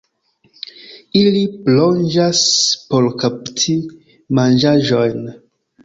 Ili plonĝas por kapti manĝaĵojn.